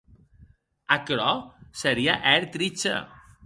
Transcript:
Aquerò serie hèr tricha.